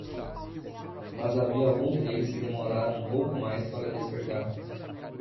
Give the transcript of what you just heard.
Mas havia alguns deles que demoraram um pouco mais para despertar.